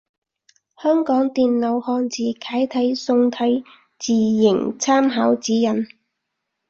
香港電腦漢字楷體宋體字形參考指引